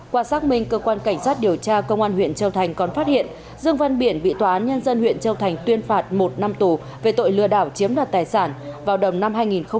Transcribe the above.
qua xác minh cơ quan cảnh sát điều tra công an huyện châu thành còn phát hiện dương văn biển bị tòa án nhân dân huyện châu thành tuyên phạt một năm tù về tội lừa đảo chiếm đoạt tài sản vào đầu năm hai nghìn một mươi ba